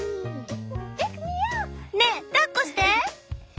「ねえだっこして」。